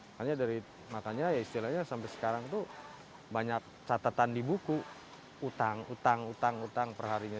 makanya dari makanya ya istilahnya sampai sekarang tuh banyak catatan di buku utang utang utang perharinya